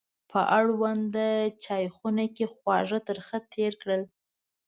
په اړونده چایخونه کې خواږه ترخه تېر کړل.